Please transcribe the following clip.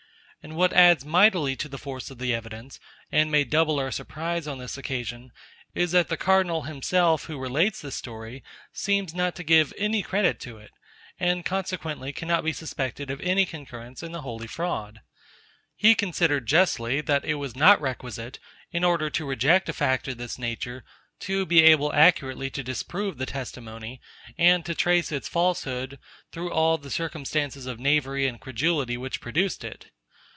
And what adds mightily to the force of the evidence, and may double our surprise on this occasion, is, that the cardinal himself, who relates the story, seems not to give any credit to it, and consequently cannot be suspected of any concurrence in the holy fraud. He considered justly, that it was not requisite, in order to reject a fact of this nature, to be able accurately to disprove the testimony, and to trace its falsehood, through all the circumstances of knavery and credulity which produced it.